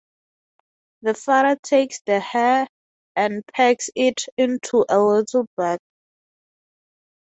The father takes the hair and packs it into a little bag.